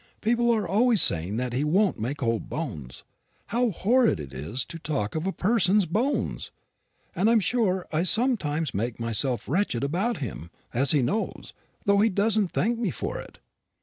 People are always saying that he won't make old bones how horrid it is to talk of a person's bones! and I'm sure I sometimes make myself wretched about him, as he knows, though he doesn't thank me for it."